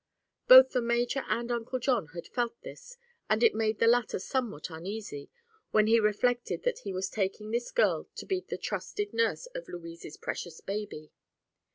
Both the major and Uncle John had felt this and it made the latter somewhat uneasy when he reflected that he was taking this girl to be the trusted nurse of Louise's precious baby.